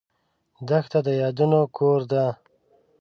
دښته د یادونو کور ده.